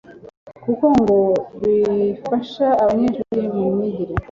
kuko ngo bifasha abanyeshuri mu myigire